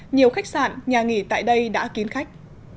nhiều khách sạn nhà nghỉ tại đây đã kín khách